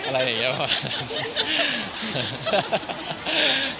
อะไรอย่างเงี้ยประมาณนั้น